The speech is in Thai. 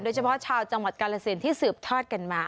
โดยเฉพาะชาวจังหวัดกาลสินที่สืบทอดกันมา